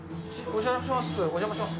お邪魔します。